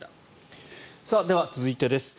では、続いてです。